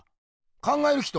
「考える人」！